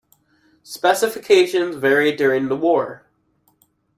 Specifications varied during the war.